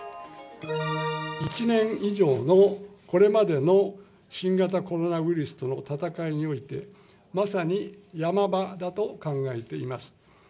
１年以上のこれまでの新型コロナウイルスとの闘いにおいて、まさにヤマ場だと考えています。